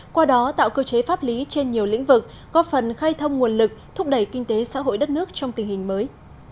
qua đó tạo cơ chế pháp lý trên nhiều lĩnh vực góp phần khai thông nguồn lực thúc đẩy kinh tế xã hội đất nước trong tình hình mới